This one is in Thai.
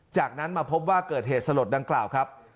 จากนั้นมาพบว่าเกิดเหตุสลดดังกล่าวครับ